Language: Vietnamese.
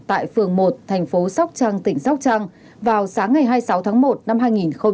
tại phường một thành phố sóc trăng tỉnh sóc trăng vào sáng ngày hai mươi sáu tháng một năm hai nghìn hai mươi